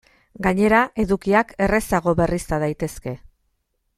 Gainera, edukiak errazago berrizta daitezke.